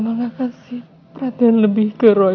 mama gak kasih perhatian lebih ke roy